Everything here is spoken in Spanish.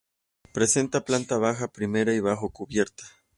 Presenta planta baja, primera y bajo cubierta.